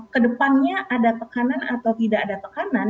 kedepannya ada tekanan atau tidak ada tekanan